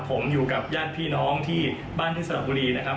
ผมอยู่กับญาติพี่น้องที่บ้านที่สระบุรีนะครับ